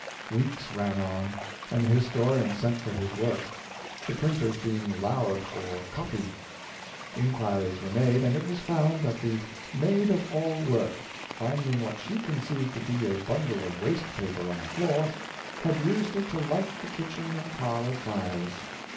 Weeks ran on, and the historian sent for his work, the printers being loud for " copy." Inquiries were made, and it was found that the maid of all work, finding what she conceived to be a bundle of waste paper on the floor, had used it to light the kitch en and parlor fires!